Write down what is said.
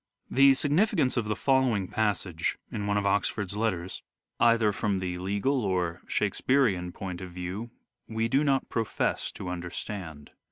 The significance of the following passage (in one of Oxford's letters) either from the legal or Shakespearean point of view we do not profess to understand.